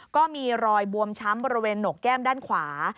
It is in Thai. ก็มีรอยบวมช้ำบริเวณหนกแก้มด้านขวา